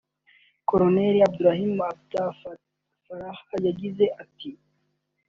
Col Abdillahi Abdi Farah yagize ati